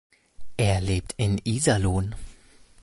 Er lebt in Iserlohn.